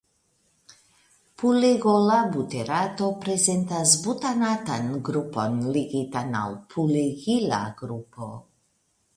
Pulegola buterato prezentas butanatan grupon ligitan al pulegila grupo.